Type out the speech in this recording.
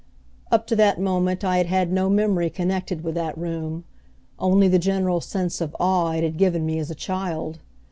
Up to that moment I had had no memory connected with that room only the general sense of awe it had given me as a child.